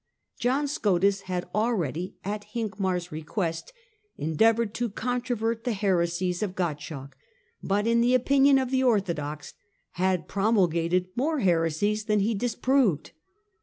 John Scotus had already, at Hincmar 's request, endeavoured to controvert the heresies of Gottschalk, but, in the opinion of the orthodox, had pro mulgated more heresies than he disproved.